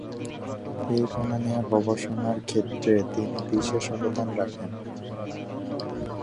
এই কণা নিয়ে গবেষণার ক্ষেত্রে তিনি বিশেষ অবদান রাখেন।